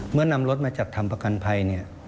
นำรถมาจัดทำประกันภัยเนี่ย